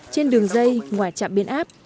trên đường dây ngoài chạm biên áp